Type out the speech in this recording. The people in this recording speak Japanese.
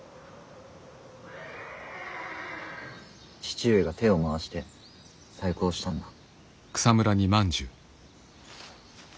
父上が手を回して細工をしたんだ。